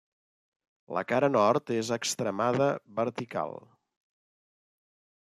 La cara nord és extremada vertical.